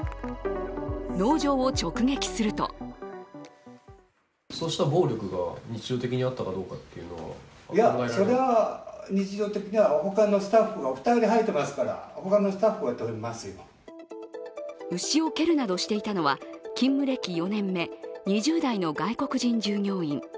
農場を直撃すると牛を蹴るなどしていたのは勤務歴４年目、２０代の外国人従業員。